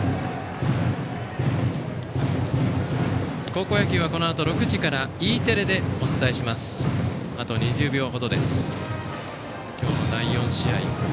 高校野球はこのあと６時からＥテレでお伝えします。